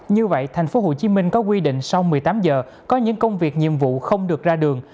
như vậy tp hcm có quy định sau một mươi tám giờ có những công việc nhiệm vụ không được ra đường